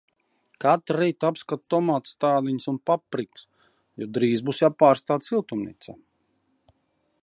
Katru rītu apskatu tomātu stādiņus un paprikas, jo drīzi būs jāpārstāda siltumnīcā.